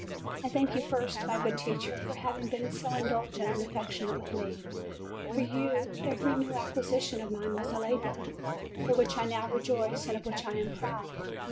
I thank you first, my good teacher, for having been so indulgent and affectionate with me; for you every new acquisition of mine was a labor, for which I now rejoice and of which I am proud.